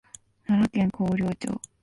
奈良県広陵町